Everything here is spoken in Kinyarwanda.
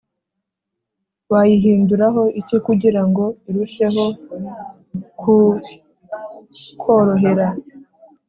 wayihinduraho iki kugira ngo irusheho ku korohera